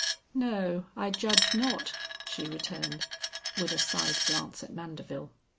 "No, I judge not," she returned with a side glance at Mandeville.